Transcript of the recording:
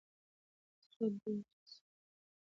سره دوه څپیزه ده.